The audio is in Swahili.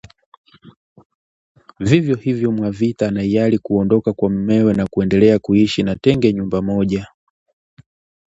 Vivyo hivyo, Mwavita anahiari kuondoka kwa mumewe na kuendelea kuishi na Tenge nyumba moja